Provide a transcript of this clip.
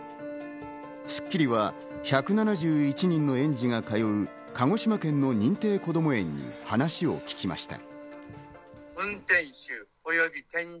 『スッキリ』は１７１人の園児が通う鹿児島県の認定こども園に話を聞きました。